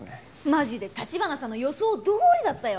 マジで城華さんの予想どおりだったよ。